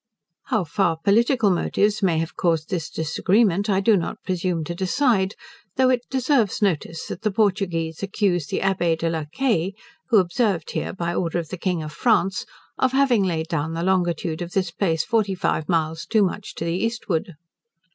How far political motives may have caused this disagreement, I do not presume to decide; though it deserves notice, that the Portuguese accuse the Abbee de la Caille, who observed here by order of the King of France, of having laid down the longitude of this place forty five miles too much to the eastward.